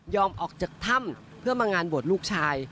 ออกจากถ้ำเพื่อมางานบวชลูกชาย